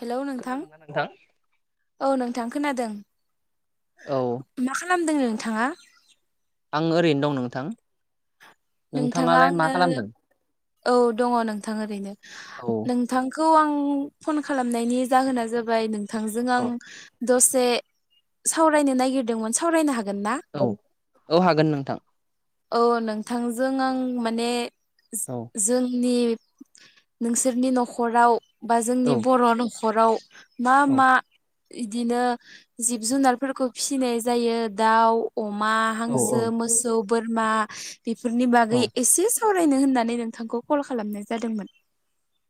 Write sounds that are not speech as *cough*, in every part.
Hello नोंथां औ नोंथां खोनादों औ। -खामदों नोंथाङा? आं ओरैनो दं नोंथां। नोंथाङा नोंथाङालाय मा आंनो खालामदों औ दङ नोंथां ओरैनो औ नोंथां -खौ आं फन खालामनायनि जाहोना जाबाय नोंथांजों आं औ दसे सावरायनो नागिरदोंमोन सावरायनो हागोन ना औ औ हागोन नोंथां। औ नोंथांजों आं माने औ जोंनि नोंसोरनि न'खराव बा जोंनि औ बर' न'खराव मा औ मा इदिनो जिब जुनारफोरखौ फिसिनाय जायो दाउ अमा हांसो औ मोसौ बोरमा बेफोरनि औ बागै एसे सावरायनो होननानै नोंथांखौ कल खालामनाय जादोंमोन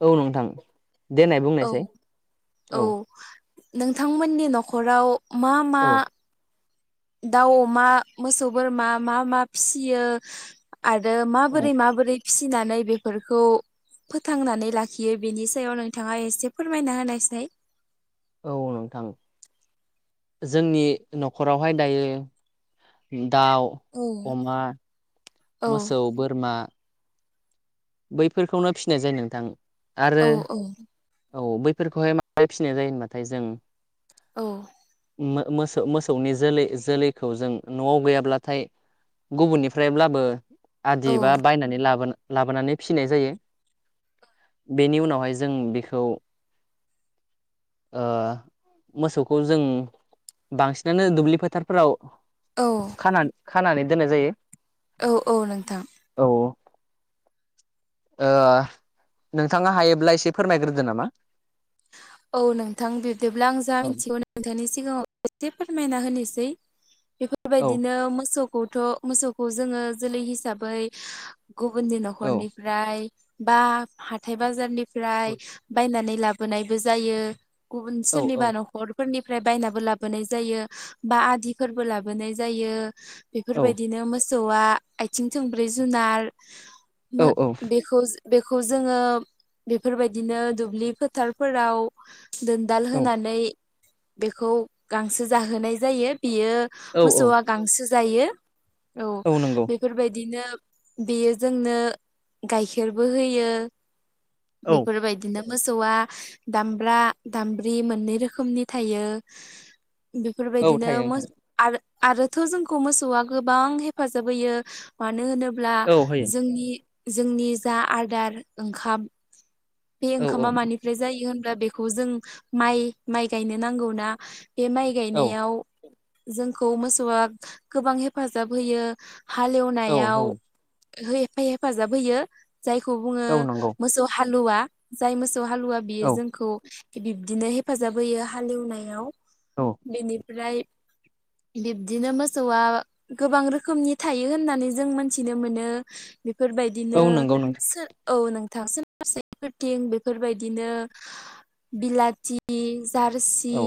औ नोंथां देनाय औ बुंनायसाय औ नोंथांमोननि न'खराव मा मा औ दाउ अमा मोसौ बोरमा मा मा फिसियो आरो औ माबोरै माबोरै फिसिनानै बेफोरखौ फोथांनानै लाखियो बेनि सायाव नोंथाङा एसे फोरमायना होनायसाय औ नोंथां जोंनि न'खरावहाय दायो उम दाउ औ अमा औ मोसौ बोरमा बैफोरखौनो फिसिनाय जायो नोंथां आरो औ औ औ बैफोरखौहाय माबाय फिसिनाय जायो होनबाथाय जों औ। मो- मोसौ मोसौनि जोलै जोलैखौ जों न'आव गैयाब्लाथाय। गुबुननिफ्रायब्लाबो आदि बा औ बायनानै लाबो लाबोनानै। फिनाय जायो बेनि उनावहाय जों बेखौ। ओ मोसौखौ जों। बांसिनानो दुब्लि फोथारफोराव औ खान खानानै दोननाय जायो। औ औ नोंथां। औ ओ नोंथाङा हायोब्ला एसे फोरमायग्रोदो नामा। औ नोंथां बिबदिब्ला आं जा औ मिथिगौ नोंथांनि सिगाङाव एसे फो फोरमायना होनोसै औ बेफोरबायदिनो मोसौ। खौथ' मोसौखौ जोङो जोलै हिसाबै गुबुननि औ न'खरनिफ्राय। बा हाथाय बाजारनिफ्राय बायनानै लाबोनायबो जायो। गुबुन औ औ सोरनिबा न'खरफोरनि। ओमफ्राय बायनाबो लाबोनाय जायो बा आदिफोरबो लाबोनाय जायो। औ बेफोरबायदिनो मोसौआ आथिं थोंब्रै जुनार। मो औ बेखौ जो बेखौ जोङो बेफोरबायदिनो दुब्लि फोथार फोराव दोनदाल होनानै बेखौ गांसो जाहोनाय जायो। बियो औ औ मोसौआ गांसो जायो औ बेफोरबायदिनो। बेयो जोंनो गाइखेरबो होयो औ बेफोरबायदिनो। मोसौआ दामब्रा दामब्रि मोननै रोखोमनि थायो। औ बेफोरबायदिनो थायो नोंथां मोस आरो आरोथ' जोंखौ मोसौआ गोबां हेफाजाब होयो मानो होनो ब्ला औ होयो जोंनि जोंनि जा आदार ओंखाम बे औ औ ओंखामा मानिफ्राय जायो होनब्ला बेखौ जों माइ माइ गायनो नांगौना बे माइ औ गायनायाव जोंखौ मोसौआ गोबां हेफाजाब होयो। औ हालेवनायाव होयो हेफ-हेफाजाब होयो जायखौ बुङो औ नंगौ मोसौ हा लुवा जाय मोसौ हालुवा बियो औ जोंखौ बिब्दिनो हेफाजाब होयो हालेवनायाव। औ बेनिफ्राय बिब्दिनो मोसौआ गोबां रोखोमनि थायो होननानै जों मोनथिनो मोनो। बेफोरबायदिनो औ नंगौ नोंथां सो औ नोंथां *unintelligible* बेफोरबायदिनो। बिलाथि जारसि औ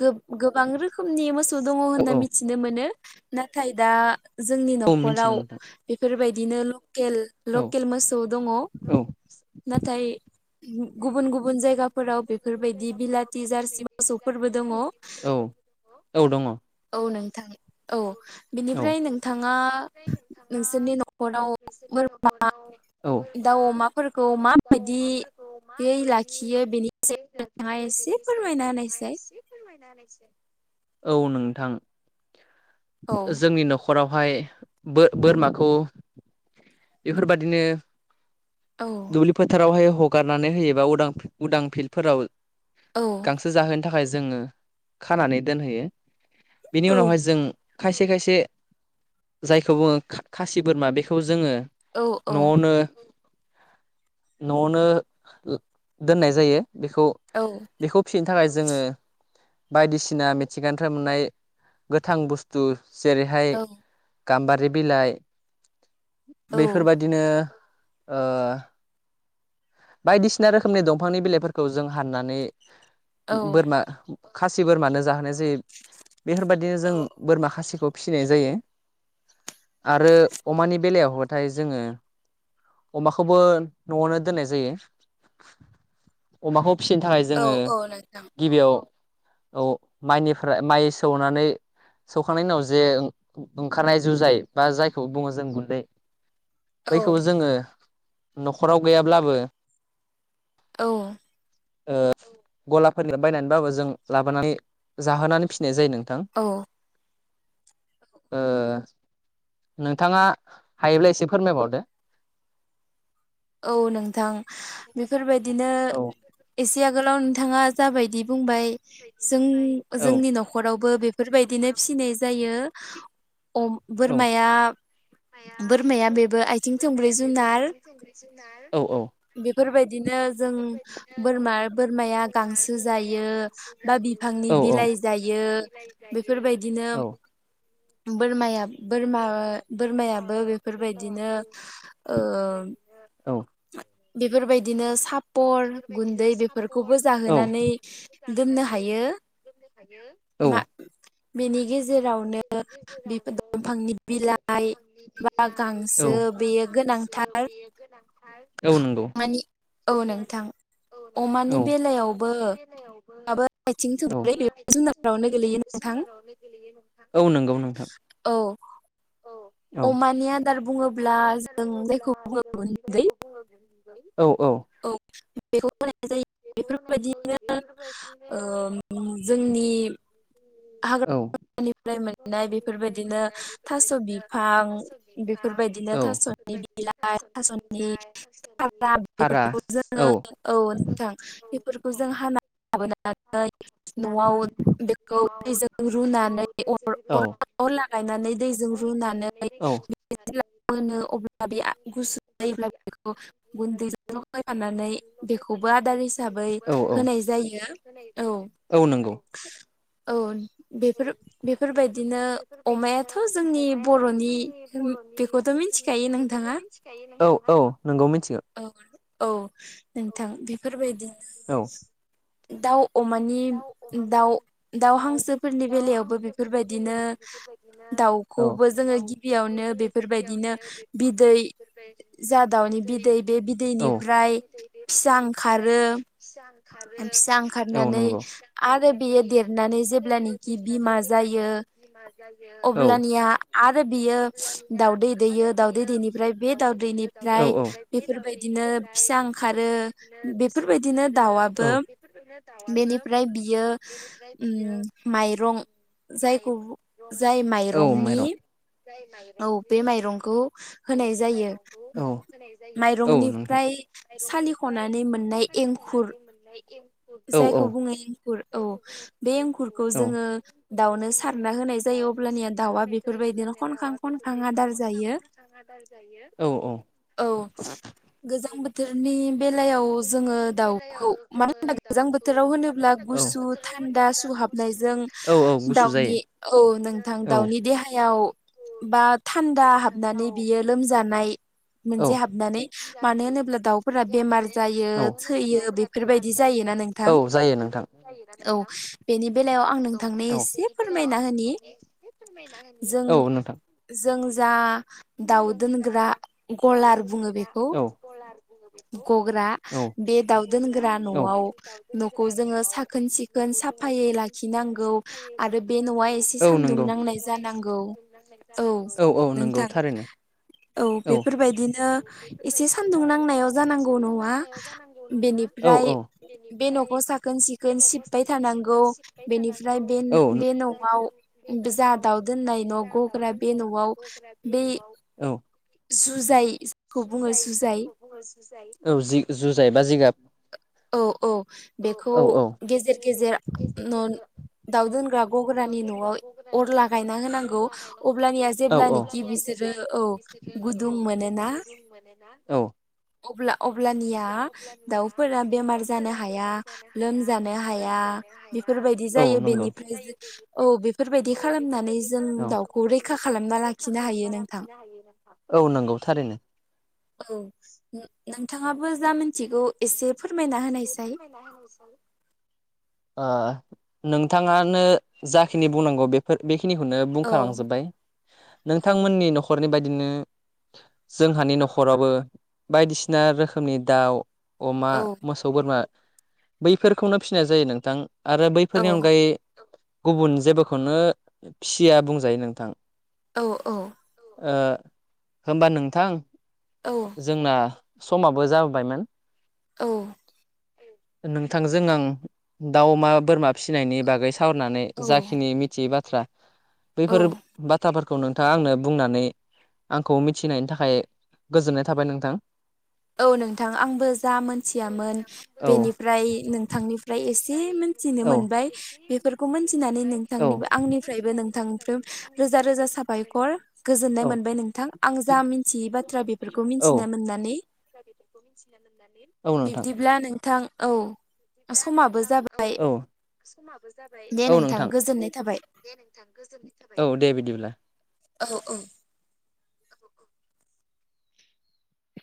गोब गोबां रोखोमनि मोसौ दङ औ होनना औ मिथिनो मोनो नाथाय दा जोंनि औ मिथिगौ न'खराव नोंथां बेफोरबायदिनो लकेल औ लकेल मोसौ दङ औ नाथाय गुबुन गुबुन जायगाफोराव बेफोरबायदि बिलाथि जारसि मोसौफोरबो दङ। औ औ दङ औ नोंथां औ बिनिफ्राय नोंथाङा नोंसोरनि न'खराव बोरमा औ दाउ अमाफोरखौ माबायदि यै लाखियो बेनि यै नोंथाङा लाखियो एसे बिनि सायाव फोरमायना नोंथाङा होनायसाय एसे फोरमायना होनायसाय। औ नोंथां औ जोंनि न'खरावहाय। बो-बोरमाखौ बेफोरबादिनो। औ दुब्लि फोथारावहाय हगारनानै होयोबा उदां उदां फिल्डफोराव। औ गांसो जाहोनो थाखाय जोङो खानानै दोनहोयो। बिनि औ उनावहाय जों खायसे खायसे जायखौ बुङो खा-खासि बोरमा बेखौ जोङो औ औ न'आवनो न'आवनो दोननाय जायो। बेखौ औ बेखौ फिसिनो थाखाय जोङो। बायदिसिना मिथिंगानिफ्राय मोननाय गोथां बुस्थु जेरैहाय औ गाम्बारि बिलाइ औ बेफोरबायदिनो ओ बायदिसिना रोखोमनि दंफांनि बिलाइफोरखौ जों हाननानै औ बोरमा खासि बोरमानो जाहोनाय जायो बेफोरबायदिनो जों बोरमा खासिखौ फिसिनाय जायो आरो अमानि बेलायाव बाथाय जोङो अमाखौबो न'आवनो दोननाय जायो अमाखौ फिसिनो थाखाय औ जोङो औ नोंथां गिबियाव औ माइनिफ्राय माइ सौनानै सौखांनायनि उनाव जे ओंखारनाय जुजाय बा जायखौ बुङो जों गुन्दै औ बैखौ जोङो न'खराव गैयाब्लाबो औ ओ गलाफोरनिफ्राय बायनानैबाबो जों लाबोनानै जाहोनानै फि सिनाय जायो नोंथां औ ओ नोंथाङा हायोब्ला एसे फोरमायबावदो औ नोंथां बेफोरबायदिनो औ एसे आगोलाव नोंथाङा जाबायदि बुंबाय जों औ जोंनि न'खरावबो बेफोरबायदिनो फिसिनाय जायो औ बोरमाया बोरमाया बेबो आथिं थोंब्रै जुनार औ औ बेफोरबायदिनो जों बोरमा बोरमाया गांसो जायो बा बिफां नि बिलाय जायो बेफोरबायदिनो औ बोरमा बोरमा बोरमायाबो बेफोरबायदिनो ओ औ बेफोरबायदिनो साफ पर गुन्दै बेफोरखौबो औ जाहोनानै दोननो हायो औ मा बेनि गेजेरावनो दंफांनि बिलाइ बा गांसो बेयो गांसो गोनांथार बे गोनांथार औ नंगौ मानि औ नोंथां अमानि औ बेलायावबो आथिं औ थोंब्रै बे आथिं जुनारफोरावनो थोंब्रै गोलैयो नोंथां औ नंगौ नोंथां औ औ अमानि आदार बुङोब्ला जों जायखौ बुङो गुन्दै औ औ बेखौ होनाय जायो बेफोरबायदिनो ओ जोंनि औ निफ्राय मोननाय बेफोरबायदिनो थास' बिफां बेफोरबायदिनो औ थास'नि बिलाइ थास'नि *unintelligible* हारा जोङो औ नोंथां बेफोरखौ जों हा लाबोनानै न'आव बेखौ दैजों रुनानै अर अर लागायनानै दैजों रुनानै *unintelligible* मोनो अब्ला बे गुसु जायोब्ला बेखौ गुन्दैजों लगायफाना नानै बेखौबो आदार हिसाबै होनाय जायो औ नंगौ औ बेफोर बेफोरबायदिनो अमायाथ' जोंनि बर'नि बेखौथ मिथिखायो बेखौथ' नोंथाङा मोनथिखागौ औ औ नोंगौ मिथिगौ औ औ नोंथां औ बेफोरबायदिनो दाउ अमानि दाउ दाउ हांसोफोरनि बेलायावबो बेफोरबायदिनो दाउखौबो औ जोङो गिबियावनो बेफोरबायदिनो बिदै जा दाउनि बिदै बे औ बिदैनिफ्राय फिसा ओंखारो ओंखारो फिसा औ ओंखारनानै नंगौ आरो खालामनानै बेयो देरनानै माब बे जेब्लानोखि देरनानै बिमा जेब्ला नो बिमा जायो औ *inaudible* आ आरो बियो दावदै दैयो दाउदै दैनिफ्राय बे दाउदैनिफ्राय बेफोर बेबायदिनो फिसा ओंखारो बेफोरबायदिनो दाउआबो औ बेनिफ्राय फ्राय बियो ओम माइरं जायखौ जाय औ माइरंनि औ बे माइरंखौ होनाय जायो औ औ नोंथां माइरंनिफ्राय य सालिख'नानै मोननाय एंखुर औ औ जायखौ बुङो खुर औ बे एंखुरखौ औ जोङो दावनो सारना होनाय जायो अब्लानिया दाउआ बेफोरबाय अब्लानिया दावा बेफोरबादि खनजा खनजा आदार जायो औ औ औ गोजां बोथोरनि बेलायाव जोङो दाउखौ मान गोजां बोथोराव होनोब्ला गुसु थान्दा सुहाबनायजों थान्दा सम दाउनि औ नोंथां मानो दाउनि देहायाव औ बा थान्दा हाबनानै बियो लोमजानाय मोनसे हाबनानै मानो होनोब्ला दाउफोरा बेमार जायो थैयो बेफोरबायदि जायोना नोंथां? थान्दा औ बेनि बेलायाव आं नोंथांनो एसे फोरमायना होनि। जों जों जा दाउ दोनग्रा गलार बुङो बेखौ गग्रा बे दाउ दोनग्रा न'आव न'खौ जोङो साखोन सिखोन साफायै लाखिनांगौ आरो बे न'आ एसे सानदुं नांनाय जानांगौ। औ जानांगौ नोंथां औ बेफोरबाय दिनो एसे सानदुं नांनायाव जानांगौ न'आ। बेनिफ्राय औ बे न'खौ साखोन सिखोन सिबबाय थानां गौ, बेनिफ्राय बेन औ बे न'आव जा दाव दोननाय न' गग्रा बे न'आव बे औ। *unintelligible* जायखौ बुङो जुजाय औ जुजाय बा जिगाब। औ औ बेखौ औ गेजेर गेजेर न' दाउ दोनग्रा गग्रानि न'आव अर लागायना होनांगौ अब्लानिया औ औ जेब्लानोखि बिसो रो औ गुदुं मोनोना औ अब्ला अब्लानिया दाउफोरा बेमार जानो हा या, लोमजानो हाया बेफोरबायदि जायो बेनिफ्राय जों औ बेफोरबायदि खालामनानै जों दाउखौ रैखा खालामना लाखिनो हायो नोंथां। औ नंगौ थारैनो औ नोंथाङाबो जा मिनथिगौ एसे फोरमायना ओ होनायसाय नोंथाङानो जाखिनि बुंनांगौ बेफोर बे खिनिखौनो औ बुंखालांजोब्बाय। औ नोंथांमोननि न'खरनि बायदिनो जोंहानि न'खरावबो बायदिसिना रोखोमनि दाउ, अमा औ मोसौ बोरमा बैफोरखौनो फिनाय जायो नोंथां आरो बैफोरनि औ अनगायै गुबुन जेबोखौनो फिसिया बुंजायो नोंथां। औ औ। ओ होनबा नोंथां औ जोंना समाबो जाबोबायमोन। औ। नोंथांजों आं दाउ अमा बोरमा फिसिनायनि बागै सावरायनानै औ जाखिनि मिथियै बा थ्रा औ बैफोर बाथ्राफोरखौ नोंथाङा आंनो बुंनानै आंखौ मिथिहोनायनि थाखाय गोजोननाय थाबाय नोंथां। औ नोंथां आंबो जा मोनथियामोन बेनिफ्राय नोंथांनिफ्राय एसे मिथिनो मोनबाय बे फोरखौ मोनथिनानै नोंथांनि आंनिफ्रायबो नोंथांनिफ्राय रोजा रोजा साबायखर गोजोननाय औ मोनबाय नोंथां आं जा मिथियै बाथ्रा बेफोरखौ औ मिथिनो मोननानै। औ नोंथां। बिब्दिब्ला नोंथां औ समाबो जाबाय। औ दे नोंथां गोजोननाय थाबाय औ दे बिदिब्ला। औ औ। *inaudible*